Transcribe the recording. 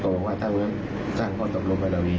บอกว่าถ้างั้นสร้างข้อตกลงไปเหล่านี้